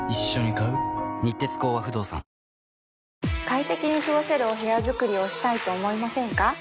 快適に過ごせるお部屋作りをしたいと思いませんか？